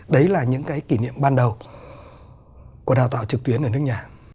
đấy là những cái kỷ niệm ban đầu của đào tạo trực tuyến ở nước nhà